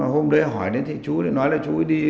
hôm đấy hỏi đến thì chú nói là chú đi